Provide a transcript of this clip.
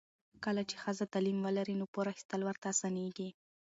کله چې ښځه تعلیم ولري، نو پور اخیستل ورته اسانېږي.